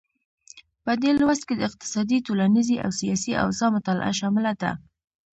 په دې لوست کې د اقتصادي، ټولنیزې او سیاسي اوضاع مطالعه شامله ده.